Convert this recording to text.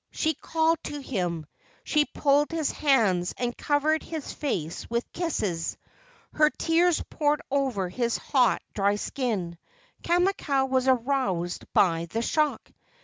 She called to him. She pulled his hands, and covered his face with kisses. Her tears poured over his hot, dry skin. Kamakau was aroused by the shock.